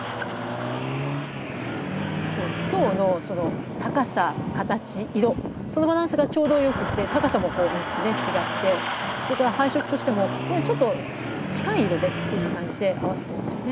今日の高さ形色そのバランスがちょうどよくて高さも３つね違ってそれから配色としてもちょっと近い色でっていう感じで合わせてますよね。